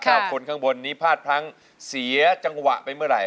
คนข้างบนนี้พลาดพลั้งเสียจังหวะไปเมื่อไหร